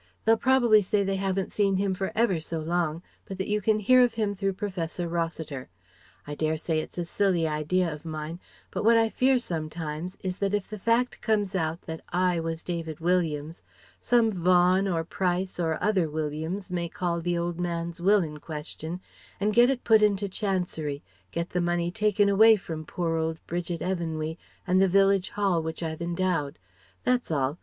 They'll probably say they haven't seen him for ever so long, but that you can hear of him through Professor Rossiter. I dare say it's a silly idea of mine, but what I fear sometimes is that if the fact comes out that I was David Williams, some Vaughan or Price or other Williams may call the old man's will in question and get it put into Chancery, get the money taken away from poor old Bridget Evanwy and the village hall which I've endowed. That's all.